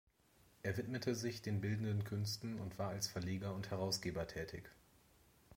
Er widmete sich den bildenden Künsten und war als Verleger und Herausgeber tätig.